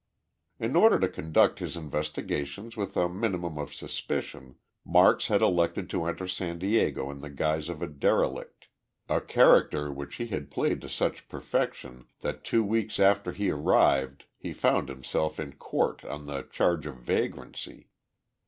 In order to conduct his investigations with a minimum of suspicion, Marks had elected to enter San Diego in the guise of a derelict a character which he had played to such perfection that two weeks after he arrived he found himself in court on the charge of vagrancy.